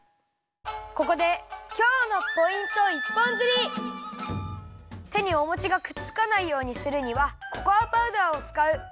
ここでてにおもちがくっつかないようにするにはココアパウダーをつかう！